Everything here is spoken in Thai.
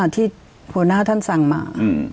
ที่หัวหน้าท่านสั่งมา